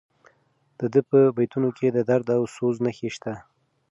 د ده په بیتونو کې د درد او سوز نښې شته.